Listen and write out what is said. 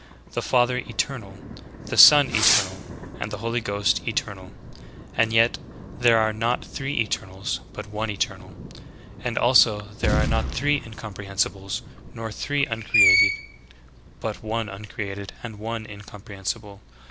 The Father eternal, the Son eternal, and the Holy Ghost eternal. And yet there are not three eternals ; but one eternal. As also there are not three incomprehensibles, nor three uncreated; but one uncreated, and one incomprehensible.